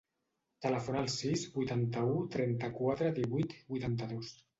Telefona al sis, vuitanta-u, trenta-quatre, divuit, vuitanta-dos.